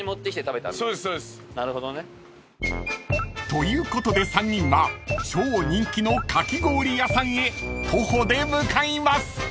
［ということで３人は超人気のかき氷屋さんへ徒歩で向かいます］